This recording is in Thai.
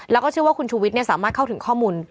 แล้วก็เชื่อว่าคุณชูวิทย์สามารถเข้าถึงข้อมูล